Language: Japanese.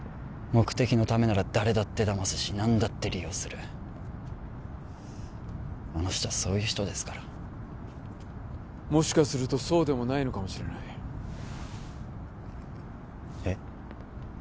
目的のためなら誰だってだますし何だって利用するあの人はそういう人ですからもしかするとそうでもないのかもしれないえっ？